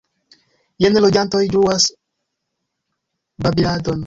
Jen loĝantoj ĝuas babiladon.